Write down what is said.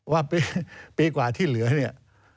ว่าปีกว่าที่เหลือเนี่ย